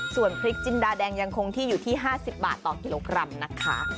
ส่วนพริกจินดาแดงยังคงที่อยู่ที่๕๐บาทต่อกิโลกรัมนะคะ